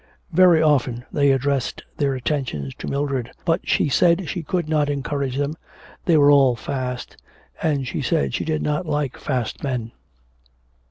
Very often they addressed their attentions to Mildred, but she said she could not encourage them, they were all fast, and she said she did not like fast men.